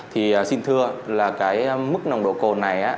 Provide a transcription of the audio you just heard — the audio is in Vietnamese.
thì xin thưa là cái mức nồng độ cồn này